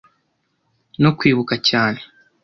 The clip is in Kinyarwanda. no kwibuka cyane